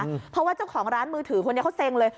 เพราะว่าเจ้าของร้านมือถือคนนี้เขาเซ็งเลย